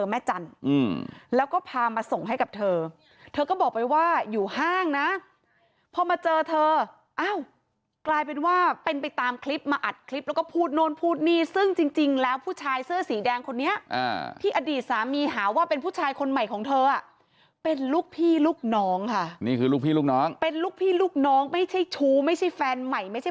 แม่จันทร์แล้วก็พามาส่งให้กับเธอเธอก็บอกไปว่าอยู่ห้างนะพอมาเจอเธออ้าวกลายเป็นว่าเป็นไปตามคลิปมาอัดคลิปแล้วก็พูดโน่นพูดนี่ซึ่งจริงแล้วผู้ชายเสื้อสีแดงคนนี้ที่อดีตสามีหาว่าเป็นผู้ชายคนใหม่ของเธอเป็นลูกพี่ลูกน้องค่ะนี่คือลูกพี่ลูกน้องเป็นลูกพี่ลูกน้องไม่ใช่ชู้ไม่ใช่แฟนใหม่ไม่ใช่